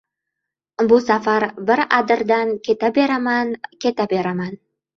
Bu safar bir adirdan keta beraman, keta beraman.